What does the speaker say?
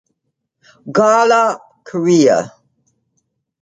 Gallup Korea